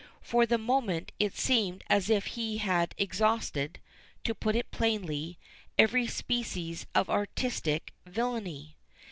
For the moment it seemed as if he had exhausted, to put it plainly, every species of artistic villainy.